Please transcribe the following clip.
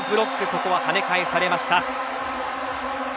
ここは跳ね返されました。